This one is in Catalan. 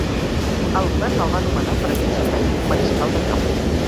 El govern el va nomenar per aquest servei mariscal de camp.